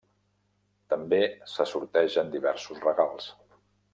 També se sortegen diversos regals.